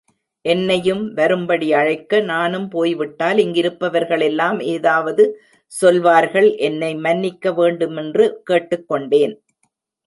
என்னையும் வரும்படி அழைக்க, நானும் போய்விட்டால் இங்கிருப்பவர்களெல்லாம் ஏதாவது சொல்வார்கள், என்னை மன்னிக்க வேண்டுமென்று கேட்டுக் கொண்டேன்.